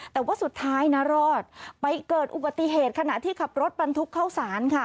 แต่ว่าสุดท้ายนะรอดไปเกิดอุบัติเหตุขณะที่ขับรถบรรทุกเข้าสารค่ะ